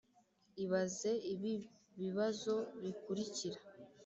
Ibaze ibi bibazo bikurikira: